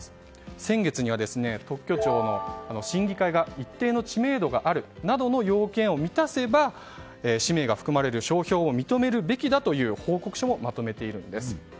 先月には特許庁の審議会が一定の知名度があるなどの要件を満たせば氏名が含まれる商標を認めるべきだという報告書をまとめているんです。